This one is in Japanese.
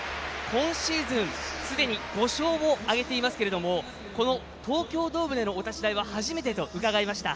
今シーズンすでに５勝を挙げていますけどもこの東京ドームでのお立ち台は初めてと伺いました。